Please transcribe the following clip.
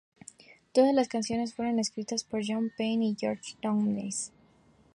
Todas las canciones fueron escritas por John Payne y Geoffrey Downes